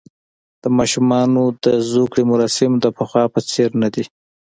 د ماشومانو د زوکړې مراسم د پخوا په څېر نه دي.